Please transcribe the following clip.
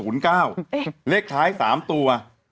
เลขท้าย๓ตัว